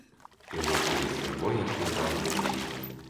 І рух увесь яго як на далоні.